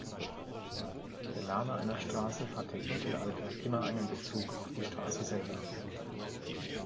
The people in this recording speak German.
Der Name einer Straße hatte im Mittelalter immer einen Bezug auf die Straße selber.